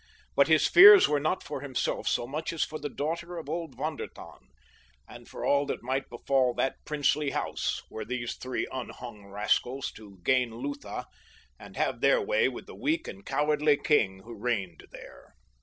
But his fears were not for himself so much as for the daughter of old Von der Tann, and for all that might befall that princely house were these three unhung rascals to gain Lutha and have their way with the weak and cowardly king who reigned there.